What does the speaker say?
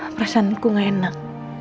perasaanku gak enak